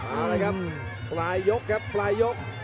เอาเลยครับฝรายยกครับฝรายยก